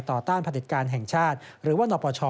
ต้านผลิตการแห่งชาติหรือว่านปช